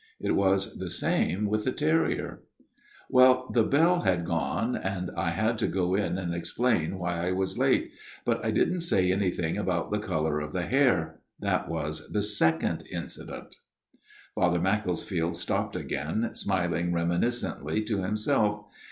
It was the same with the terrier. FATHER MACCLESFIELD'S TALE 247 " Well, the bell had gone, and I had to go in and explain why I was late ; but I didn't say anything about the colour of the hare. That was the second incident." Father Macclesfield stopped again, smiling reminiscently to himself.